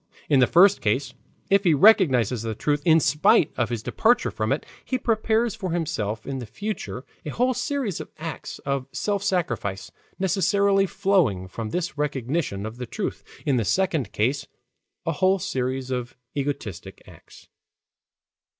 In the first case, if he recognizes the truth in spite of his departure from it, he prepares for himself in the future a whole series of acts of self sacrifice necessarily flowing from this recognition of the truth; in the second case, a whole series of egoistic acts.